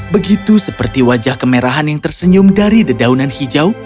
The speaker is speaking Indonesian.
begitu seperti wajah kemerahan yang tersenyum dari dedaunan hijau